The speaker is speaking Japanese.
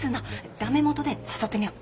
ダメもとで誘ってみよう。